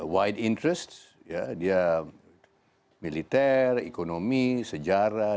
wide interest ya dia militer ekonomi sejarah